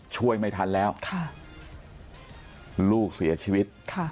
ช่วยไม่ทันแล้วลูกเสียชีวิต